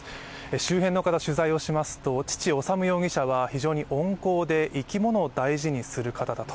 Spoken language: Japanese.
周辺の方、取材をしますと、父、修容疑者は非常に温厚で生き物を大事にする方だと。